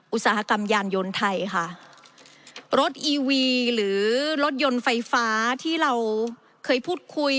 อุตสาหกรรมยานยนต์ไทยค่ะรถอีวีหรือรถยนต์ไฟฟ้าที่เราเคยพูดคุย